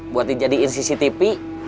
buat dijadiin cctv